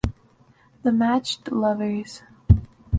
The matched lovers